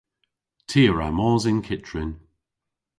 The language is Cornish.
Ty a wra mos yn kyttrin.